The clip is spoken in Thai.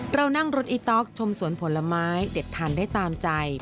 เรานั่งรถอีต๊อกชมสวนผลไม้เด็ดทานได้ตามใจ